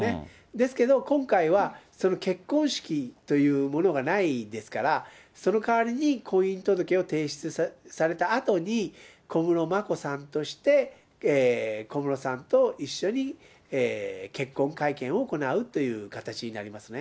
ですけど、今回はその結婚式というものがないですから、そのかわりに婚姻届を提出されたあとに、小室眞子さんとして、小室さんと一緒に結婚会見を行うという形になりますね。